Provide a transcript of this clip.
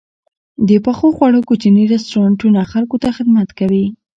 د پخو خوړو کوچني رستورانتونه خلکو ته خدمت کوي.